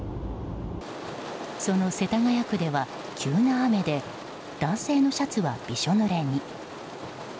その世田谷区では、急な雨で男性のシャツは、びしょぬれに。